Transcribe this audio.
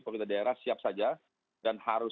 pemerintah daerah siap saja dan harus